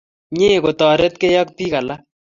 Mye ketoretkei ak piik alak